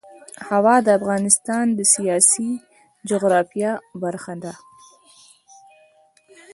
هوا د افغانستان د سیاسي جغرافیه برخه ده.